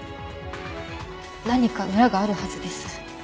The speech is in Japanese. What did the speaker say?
何か裏があるはずです。